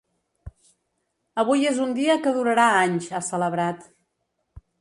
Avui és un dia que durarà anys, ha celebrat.